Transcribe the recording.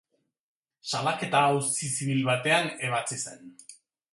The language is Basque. Salaketa auzi zibil batean ebatzi zen.